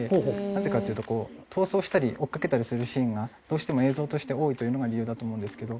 なぜかっていうと逃走したり追いかけたりするシーンがどうしても映像として多いというのが理由だと思うんですけど。